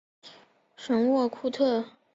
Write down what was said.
沃什库特。